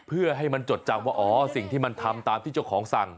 เพื่อให้มันจดจำว่าอ๋อสิ่งที่มันทำตามที่เจ้าของสั่ง